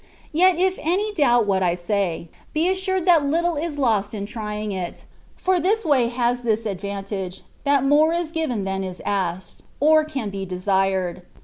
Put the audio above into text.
Yet if any doubt what I say, be assured that little is lost in trying it : for this way has this advantage, that more is given than is asked, or can be desired.